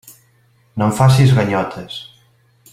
No em facis ganyotes.